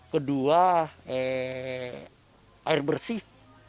kedua air bersih